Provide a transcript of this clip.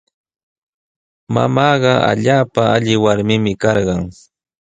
Mamaaqa allaapa alli warmimi karqan.